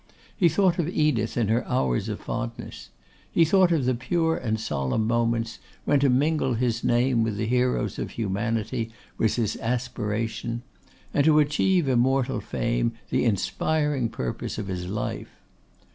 He thought of Edith in her hours of fondness; he thought of the pure and solemn moments when to mingle his name with the heroes of humanity was his aspiration, and to achieve immortal fame the inspiring purpose of his life.